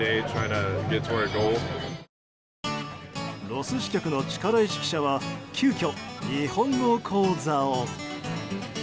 ロス支局の力石記者は急きょ、日本語講座を。